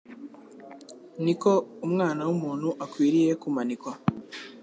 ni ko Umwana w’umuntu akwiriye kumanikwa